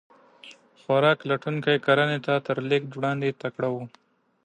خوراک لټونکي کرنې ته تر لېږد وړاندې تکړه وو.